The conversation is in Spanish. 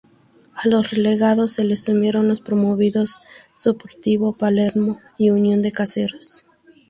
A los relegados se le sumaron los promovidos Sportivo Palermo y Unión de Caseros.